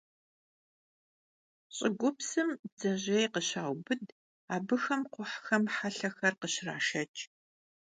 Ş'ıgupsxem bdzejêy khışaubıd, abıxem kxhuhxem helhexer khışraşşeç'.